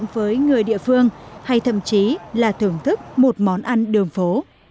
có thể gặp lại người địa phương hay thậm chí là thưởng thức một món ăn đường phố